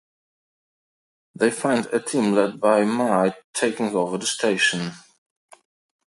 They find a team led by Mai taking over the station.